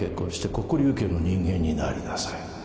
黒龍家の人間になりなさい